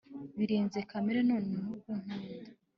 birenze kamere, noneho ubwo unkunda